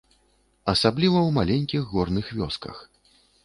Асабліва ў маленькіх горных вёсках.